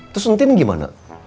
terus ntin gimana